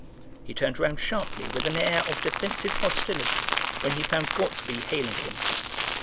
He turned round sharply with an air of defensive hostility when he found Gortsby hailing him.